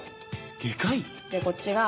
外科医⁉でこっちが。